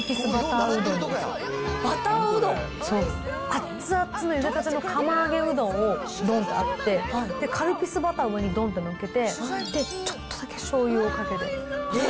あっつあっつのゆでたての釜揚げうどんをどんとあって、で、カルピスバターを上にどんって載っけて、ちょっとだけしょうゆをかけて。